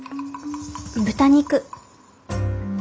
豚肉。